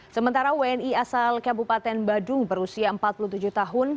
sementara wni asal kabupaten badung berusia empat puluh tujuh tahun